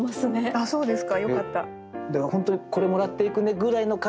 あっそうですね。